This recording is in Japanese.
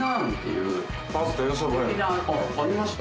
あっありました？